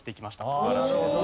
素晴らしいですね。